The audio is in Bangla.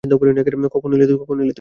কখন এলি তুই?